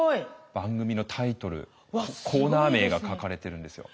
番組のタイトルコーナー名が書かれてるんですよ。